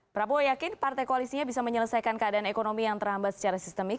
prabowo yakin partai koalisinya bisa menyelesaikan keadaan ekonomi yang terhambat secara sistemik